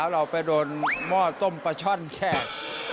เอาไปว่ายเห็นกัน